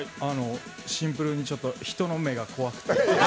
シンプルに人の目が怖くて。